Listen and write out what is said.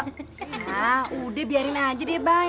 nah udah biarin aja deh bang